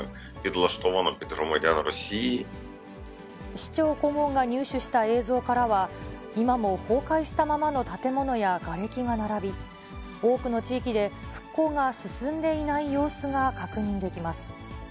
市長顧問が入手した映像からは、今も崩壊したままの建物やがれきが並び、多くの地域で復興が進んでいない様子が確認できます。